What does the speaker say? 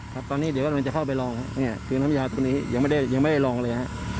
ครับตอนนี้เดี๋ยวเรากำลังจะเข้าไปลองเนี่ยคือน้ำยาตรงนี้ยังไม่ได้ลองเลยฮะ